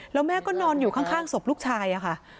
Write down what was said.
แล้วแม่ก็นอนอยู่ข้างศพลูกชายค่ะ